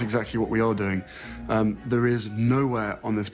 อาจมีทุกส่วนมาก